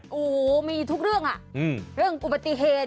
โอ้โหมีทุกเรื่องอ่ะเรื่องอุบัติเหตุ